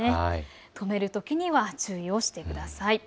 止めるときは注意をしてください。